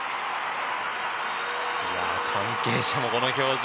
関係者もこの表情。